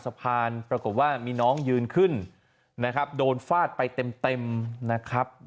สะพานปรากฏว่ามีน้องยืนขึ้นนะครับโดนฟาดไปเต็มเต็มนะครับ